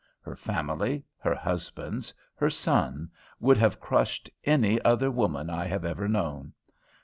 Her family, her husbands, her son, would have crushed any other woman I have ever known.